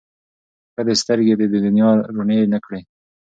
ښه دی سترګي دي دنیا ته روڼي نه کړې